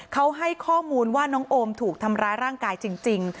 เขาให้ข้อมูลว่าน้องโอมถูกทำร้ายร่างกายจริง